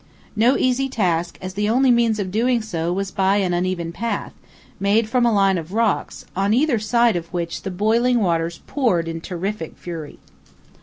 No easy task, as the only means of doing so was by an uneven path, made from a line of rocks, on either side of which the boiling waters poured in terrific fury.